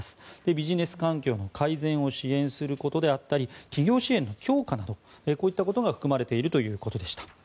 ビジネス環境の改善を支援することであったり企業支援の強化などこういったことが含まれているということでした。